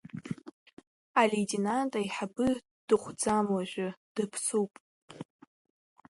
Алеитенант еиҳабы дыхәӡам уажәы, дыԥсуп!